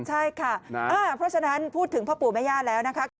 ใช่ค่ะเพราะฉะนั้นพูดถึงพ่อปู่แม่ย่าแล้วนะคะ